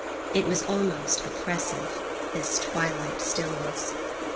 It was almost oppressive, this twilight stillness.